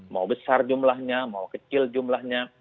mau besar jumlahnya mau kecil jumlahnya